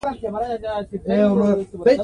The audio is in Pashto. افغانستان کې کلتور د چاپېریال د تغیر نښه ده.